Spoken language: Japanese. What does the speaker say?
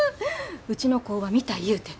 うちの工場見たいいうて。